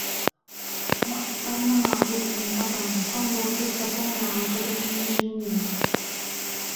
وَأَمْطَرْنَا عَلَيْهِمْ مَطَرًا فَانْظُرْ كَيْفَ كَانَ عَاقِبَةُ الْمُجْرِمِينَ